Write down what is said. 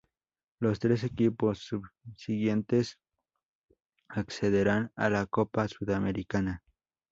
Los tres equipos subsiguientes accederán a la Copa Sudamericana.